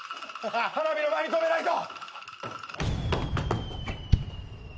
花火の前に止めないと！